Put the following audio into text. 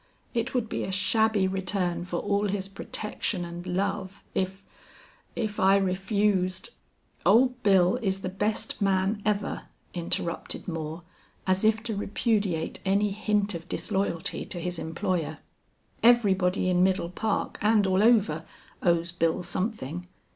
It would be a shabby return for all his protection and love if if I refused " "Old Bill is the best man ever," interrupted Moore, as if to repudiate any hint of disloyalty to his employer. "Everybody in Middle Park and all over owes Bill something.